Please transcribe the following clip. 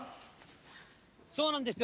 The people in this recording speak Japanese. そうなんですよ。